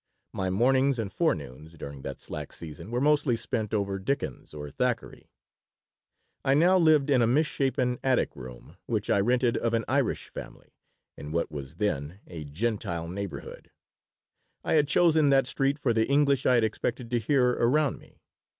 My mornings and forenoons during that slack season were mostly spent over Dickens or Thackeray I now lived in a misshapen attic room which I rented of an Irish family in what was then a Gentile neighborhood. I had chosen that street for the English I had expected to hear around me.